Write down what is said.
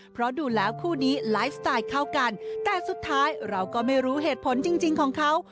เพราะดูแล้วคู่นี้ไลฟ์สไตล์เข้ากันแต่สุดท้ายเราก็ไม่รู้เหตุผลจริงของเขา